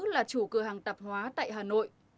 là chủ cửa hàng tạp hóa tại hà nội